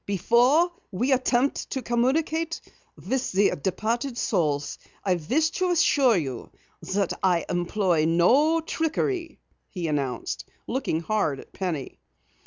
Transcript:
"Before we attempt to communicate with the departed souls, I wish to assure you that I employ no trickery," he announced, looking hard at Penny.